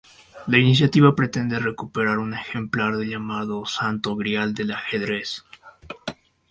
La iniciativa pretende recuperar un ejemplar del llamado "Santo Grial del Ajedrez".